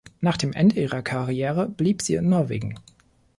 Nach dem Ende ihrer Karriere blieb sie in Norwegen.